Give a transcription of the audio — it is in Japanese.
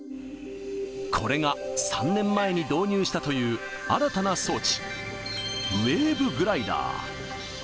これが３年前に導入したという、新たな装置、ウェーブグライダー。